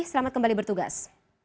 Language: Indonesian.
selamat kembali bertugas